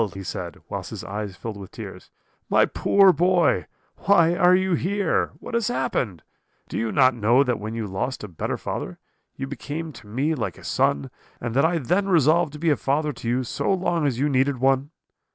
he said, whilst his eyes filled with tears; 'my poor boy, why are you here? What has happened? Do you not know that when you lost a better father, you became to me like a son, and that I then resolved to be a father to you so long as you needed one?